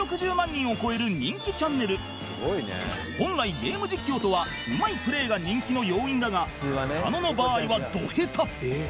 本来ゲーム実況とはうまいプレーが人気の要因だが狩野の場合はド下手